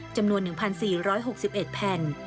จำนวน๑๔๖๑แผ่น